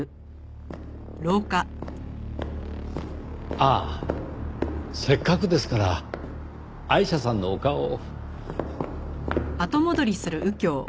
ああせっかくですからアイシャさんのお顔を。